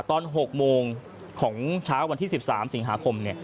ตอน๖โมงของเช้าวันที่๑๓สิงหาคม